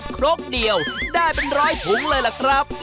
ครกเดียวได้เป็นร้อยถุงเลยล่ะครับ